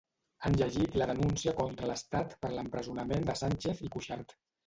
Han llegit la denúncia contra l'Estat per l'empresonament de Sánchez i Cuixart.